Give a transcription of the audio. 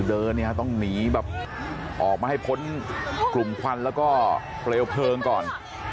เดินเนี้ยต้องหนีแบบออกมาไม่ใช่พ้นกลุ่มพันธุ์แล้วก็เปรียบเพิงก่อน